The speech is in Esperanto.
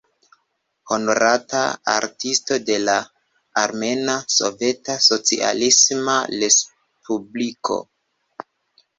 Honorata Artisto de la Armena Soveta Socialisma Respubliko.